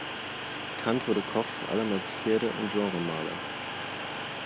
Bekannt wurde Koch vor allem als Pferde- und Genremaler.